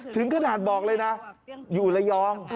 ถึงขนาดบอกเลยนะอยู่ระยอง